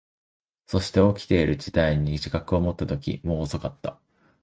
そして、起きている事態に自覚を持ったとき、もう遅かった。